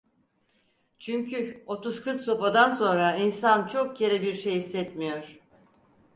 Çünkü otuz kırk sopadan sonra insan çok kere bir şey hissetmiyor.